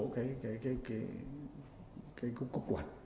cái cốc quần